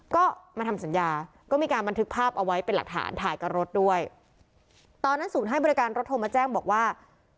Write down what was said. ก็มาทำสัญญาก็มีการบันทึกภาพเอาไว้เป็นหลักฐานถ่ายกับรถด้วยตอนนั้นศูนย์ให้บริการรถโทรมาแจ้งบอกว่า